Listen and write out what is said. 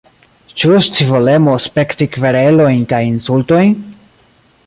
Ĉu scivolemo spekti kverelojn kaj insultojn?